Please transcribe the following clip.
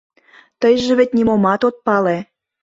Тыйже вет нимомат от пале.